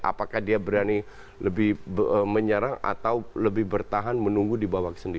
apakah dia berani lebih menyerang atau lebih bertahan menunggu di babak sendiri